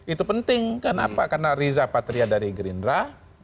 itu penting kenapa karena riza patria dari gerindra